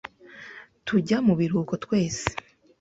Tujya mu biruhuko twese